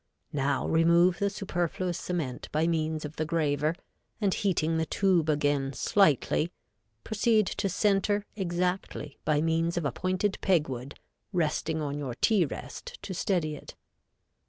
Now remove the superfluous cement by means of the graver, and heating the tube again slightly, proceed to center exactly by means of a pointed peg wood, resting on your T rest to steady it.